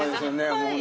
ホントに。